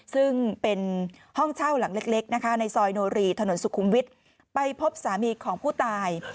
ซึ่งเป็นห้องเช่าหลังเล็กนะคะในซอยโนรีถนนสุขุมวิทย์ไปพบสามีของผู้ตาย